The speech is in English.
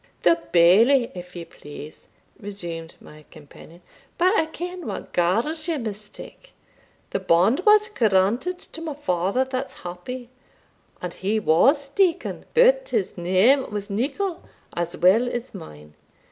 "The Bailie, if ye please," resumed my companion; "but I ken what gars ye mistak the band was granted to my father that's happy, and he was deacon; but his name was Nicol as weel as mine.